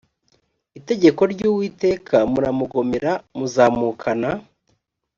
itegeko ry uwiteka muramugomera muzamukana